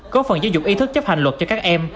có phần giáo dục ý thức chấp hành luật cho các em